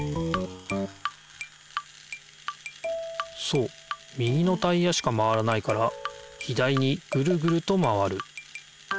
そう右のタイヤしか回らないから左にぐるぐると回る。